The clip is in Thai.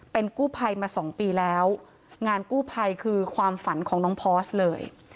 เป็นกู้ภัยมาสองปีแล้วงานกู้ภัยคือความฝันของน้องพอร์สเลย